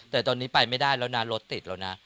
แต่ตอนนี้ไปไม่ได้แล้วนะรถติดแล้วนะ